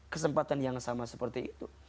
kesempatan yang sama seperti itu